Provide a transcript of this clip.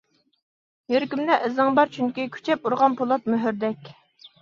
يۈرىكىمدە ئىزىڭ بار چۈنكى، كۈچەپ ئۇرغان پولات مۆھۈردەك.